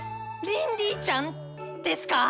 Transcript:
リンディちゃんですか？